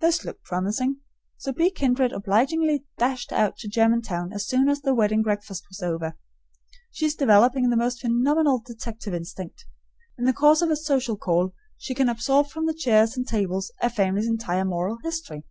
This looked promising, so B. Kindred obligingly dashed out to Germantown as soon as the wedding breakfast was over. She is developing the most phenomenal detective instinct. In the course of a social call she can absorb from the chairs and tables a family's entire moral history.